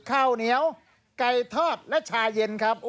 ข้าวเหนียวไก่ทอดและชาเย็นครับ